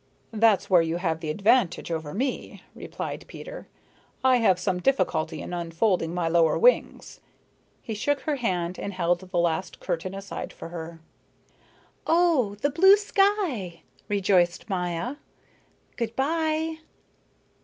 "That's where you have the advantage over me," replied Peter. "I have some difficulty in unfolding my lower wings." He shook her hand and held the last curtain aside for her. "Oh, the blue sky!" rejoiced Maya. "Good by."